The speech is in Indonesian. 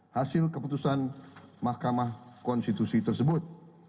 hasil keputusan mahkamah konstitusi tersebut